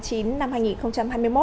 tháng chín năm hai nghìn hai mươi một